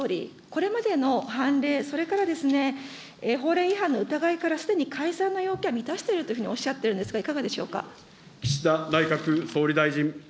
これまでの判例、それから法令違反の疑いから、すでに解散の要件は満たしているというふうにおっしゃっているんですが、いかがでしょうか。